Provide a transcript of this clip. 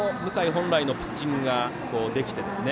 本来のピッチングができて。